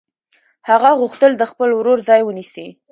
هغه غوښتل د خپل ورور ځای ونیسي